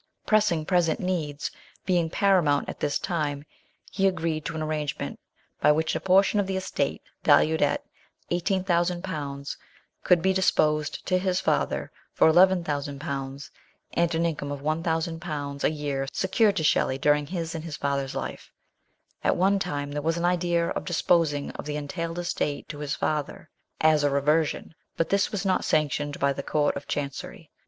Pressing present needs being paramount at this time, he agreed to an arrangement by which a portion of the estate valued at 18,000 could be dis posed of to his father for 11,000, and an income of 1,000 a year secured to Shelley during his and his father's life. At one time there was an idea of disposing of the entailed estate to his father, as a reversion, but this was not sanctioned by the Court of Chancery.